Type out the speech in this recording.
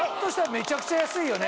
めちゃくちゃ安いよね。